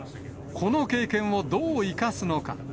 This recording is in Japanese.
この経験をどう生かすのか。